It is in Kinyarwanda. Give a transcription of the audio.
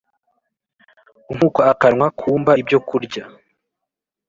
Nk uko akanwa kumva ibyokurya